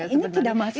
ini tidak masalah